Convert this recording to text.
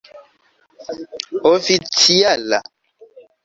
oficiala